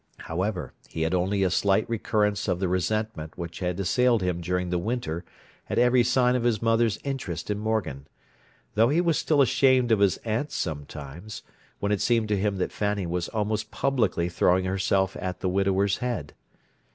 However, he had only a slight recurrence of the resentment which had assailed him during the winter at every sign of his mother's interest in Morgan; though he was still ashamed of his aunt sometimes, when it seemed to him that Fanny was almost publicly throwing herself at the widower's head.